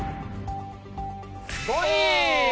５位！